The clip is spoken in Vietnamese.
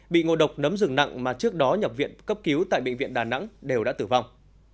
bị ngộ độc nấm rừng nặng mà trước đó nhập viện cấp cứu tại bệnh viện đà nẵng đều đã tử vong